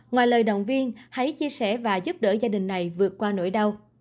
ngoài lời động viên hãy chia sẻ và giúp đỡ gia đình này vượt qua nỗi đau